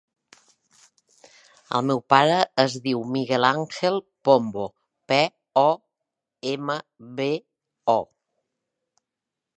El meu pare es diu Miguel àngel Pombo: pe, o, ema, be, o.